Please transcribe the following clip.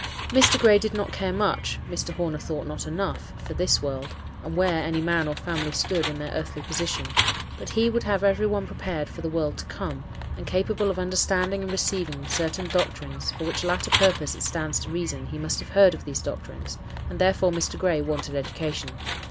Mr. Gray did not care much,—Mr. Horner thought not enough,—for this world, and where any man or family stood in their earthly position; but he would have every one prepared for the world to come, and capable of understanding and receiving certain doctrines, for which latter purpose, it stands to reason, he must have heard of these doctrines; and therefore Mr. Gray wanted education.